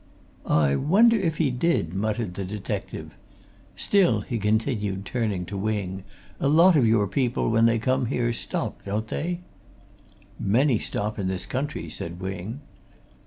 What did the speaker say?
"I wonder if he did!" muttered the detective. "Still," he continued, turning to Wing, "a lot of your people when they come here, stop, don't they?" "Many stop in this country," said Wing.